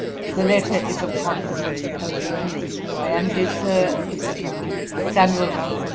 The letter is of consequence only to me. 'I am, dear Sir, &c. 'SAM. JOHNSON.'